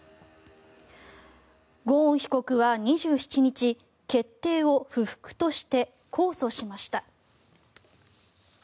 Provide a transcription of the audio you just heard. ゴーン被告は２７日決定を不服として控訴しました。